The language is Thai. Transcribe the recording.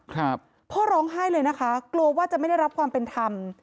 พ่อร้องไห้เลยนะคะกลัวว่าจะไม่ได้รับความเป็นธรรม